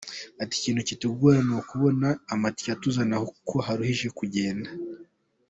Agira ati “Ikintu kitugora cyane ni ukubona amatike atuzana hano kuko haruhije kugenda.